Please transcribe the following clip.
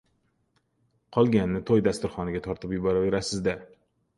Qolganini to‘y dasturxoniga tortib yuboraverasiz-da!